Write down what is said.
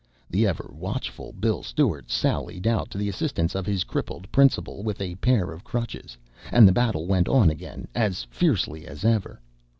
The ever watchful Bill Stewart sallied out to the assistance of his crippled principal with a pair of crutches, and the battle went on again as fiercely as ever.